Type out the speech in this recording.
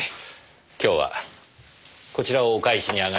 今日はこちらをお返しに上がりました。